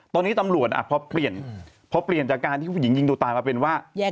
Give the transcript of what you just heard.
ตอนนี้ตำรวจพอเปลี่ยนพอเปลี่ยนจากการที่ผู้หญิงยิงตัวตายมาเป็นว่า